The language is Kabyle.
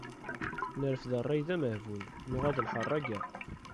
Nerfed rray d amehbul, nuɣal d lḥerraga.